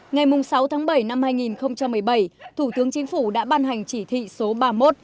ngày sáu tháng bảy năm hai nghìn một mươi bảy thủ tướng chính phủ đã ban hành chỉ thị số ba mươi một